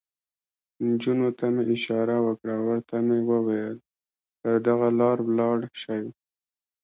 نجونو ته مې اشاره وکړه، ورته مې وویل: پر دغه لار ولاړ شئ.